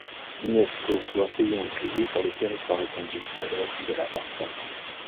Mieszko doit payer un tribut pour les territoires étendus à l’ouest de la Warta.